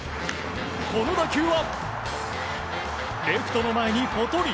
この打球はレフトの前にぽとり。